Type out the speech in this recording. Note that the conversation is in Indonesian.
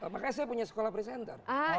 makanya saya punya sekolah presenter